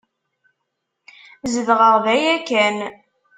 Zedɣeɣ da yakan.